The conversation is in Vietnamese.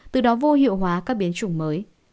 từ đó vô hiệu hóa các biến trùng mới